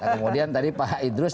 kemudian tadi pak idrus